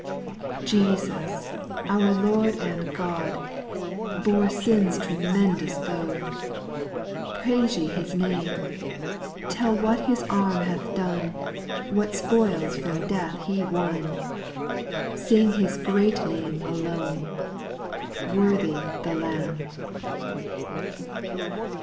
Jesus, our Lord and God, Bore sin's tremendous load ; Praise ye His name : Tell what His arm hath done, What spoils from death He won ; Sing His great name alone ;" Worthy the Lamb I" 3.